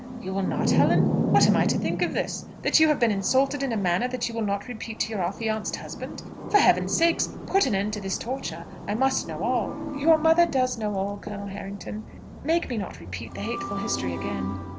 You will not, Helen? What am I to think of this? that you have been insulted in a manner that you will not repeat to your affianced husband? For Heaven's sake, put an end to this torture; I must know all." "Your mother does know all, Colonel Harrington; make me not repeat the hateful history again."